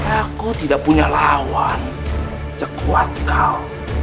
aku tidak punya lawan sekuat kau